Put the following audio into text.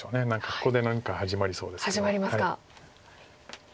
ここで何か始まりそうですけど。